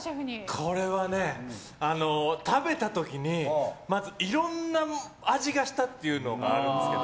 これはね、食べた時にまず、いろんな味がしたっていうのがあるんですけど。